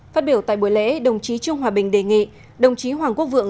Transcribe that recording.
phát biểu tại buổi lễ đồng chí trương hòa bình đề nghị đồng chí hoàng quốc vượng